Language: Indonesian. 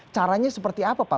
caranya seperti apa pak